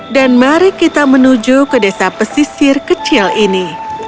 dan mari kita menuju ke desa pesisir kecil ini